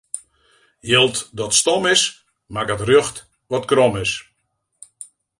Jild dat stom is, makket rjocht wat krom is.